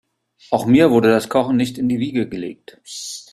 Auch mir wurde das Kochen nicht in die Wiege gelegt.